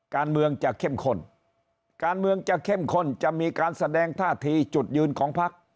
การเมืองจะเข้มข้นการเมืองจะเข้มข้นจะมีการแสดงท่าทีจุดยืนของพัก